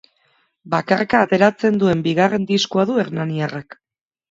Bakarka ateratzen duen bigarren diskoa du hernaniarrak.